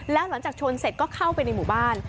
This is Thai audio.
แล้วหลังจากชนเสร็จก็เข้าไปในหมู่บ้าน